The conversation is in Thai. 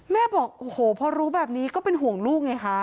บอกโอ้โหพอรู้แบบนี้ก็เป็นห่วงลูกไงคะ